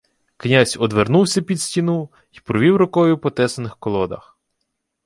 Князь одвернувся під стіну й провів рукою по тесаних колодах.